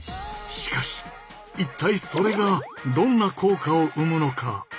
しかし一体それがどんな効果を生むのか？